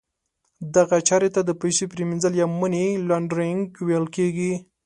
دغه چارې ته د پیسو پریمینځل یا Money Laundering ویل کیږي.